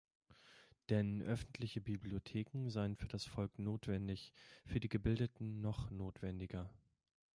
Denn öffentliche Bibliotheken seien für das Volk notwendig, für die Gebildeten noch notwendiger.